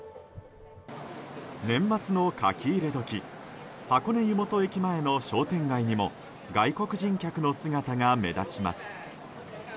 年末の書き入れ時箱根湯本駅前の商店街にも外国人客の姿が目立ちます。